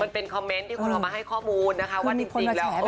เป็นคอมเมนต์ที่คนเอามาให้ข้อมูลนะคะว่าจริงแล้ว